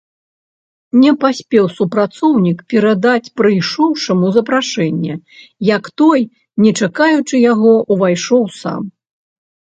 Не паспеў супрацоўнік перадаць прыйшоўшаму запрашэнне, як той, не чакаючы яго, увайшоў сам.